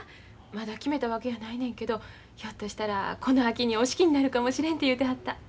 まだ決めたわけやないねんけどひょっとしたらこの秋にお式になるかもしれんて言うてはった。